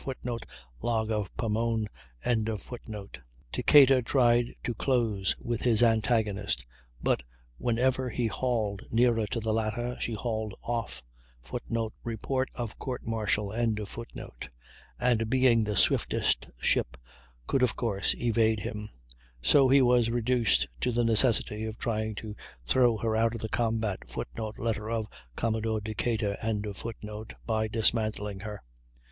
[Footnote: Log of Pomone.] Decatur tried to close with his antagonist, but whenever he hauled nearer to the latter she hauled off [Footnote: Report of Court martial.] and being the swiftest ship could of course evade him; so he was reduced to the necessity of trying to throw her out of the combat [Footnote: Letter of Commodore Decatur.] by dismantling her.